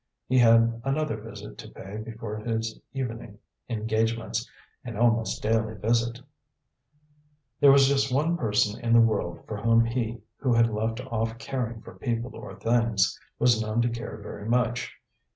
He had another visit to pay before his evening engagements, an almost daily visit. There was just one person in the world for whom he, who had left off caring for people or things, was known to care very much.